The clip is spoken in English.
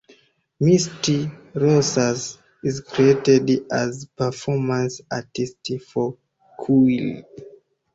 Misty Rosas is credited as performance artist for Kuiil.